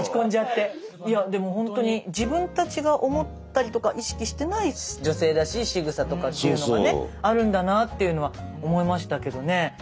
いやでもほんとに自分たちが思ったりとか意識してない女性らしいしぐさとかっていうのがねあるんだなっていうのは思いましたけどね。